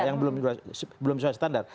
yang belum sesuai standar